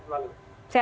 pak putri sehat selalu